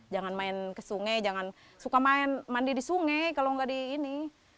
jangan main ke sungai jangan suka main mandi di sungai kalau nggak di ini